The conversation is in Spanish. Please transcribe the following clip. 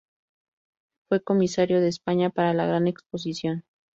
Fue Comisario de España para la Gran Exposición.